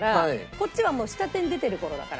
こっちはもう下手に出てる頃だから。